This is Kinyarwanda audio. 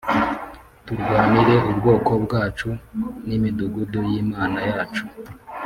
turwanire ubwoko bwacu n’imidugudu y’Imana yacu.